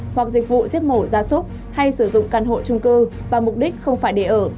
hoặc dịch vụ giết mổ ra súc hay sử dụng căn hộ trung cư và mục đích không phải để ở